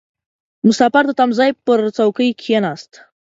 • مسافر د تمځي پر څوکۍ کښېناست.